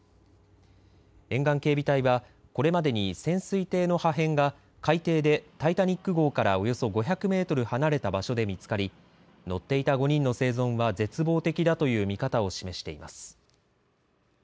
沿岸警備隊はこれまでに潜水艇の破片が海底でタイタニック号からおよそ５００メートル離れた場所で見つかり乗っていた５人の生存は絶望的だという見方を示しています。